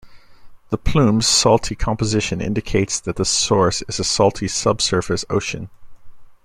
The plumes' "salty" composition indicates that the source is a salty subsurface ocean.